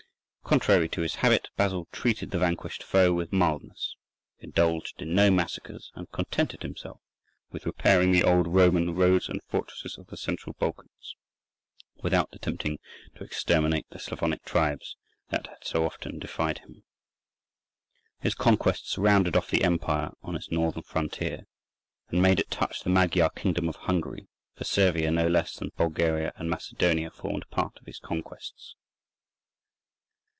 Contrary to his habit, Basil treated the vanquished foe with mildness, indulged in no massacres, and contented himself with repairing the old Roman roads and fortresses of the Central Balkans, without attempting to exterminate the Slavonic tribes that had so often defied him. His conquests rounded off the empire on its northern frontier, and made it touch the Magyar kingdom of Hungary, for Servia no less than Bulgaria and Macedonia formed part of his conquests.